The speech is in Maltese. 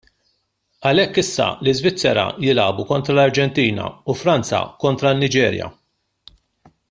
Għalhekk issa l-Iżvizerra jilagħbu kontra l-Arġentina u Franza kontra n-Niġerja.